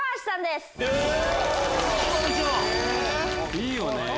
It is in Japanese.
いいよね！